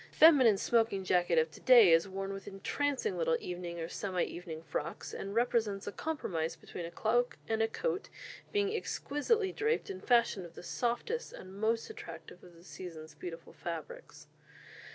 The feminine smoking jacket of to day is worn with entrancing little evening or semi evening frocks, and represents a compromise between a cloak and a coat, being exquisitely draped and fashioned of the softest and most attractive of the season's beautiful fabrics."